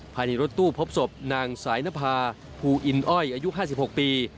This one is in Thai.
ภายในรถตู้พบศพนางสายนภาพูอินอ้อยอายุ๕๖ปี